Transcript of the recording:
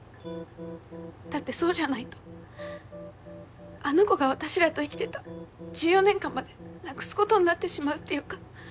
だってそうじゃないとあの子が私らと生きてた１４年間までなくすことになってしまうっていうか。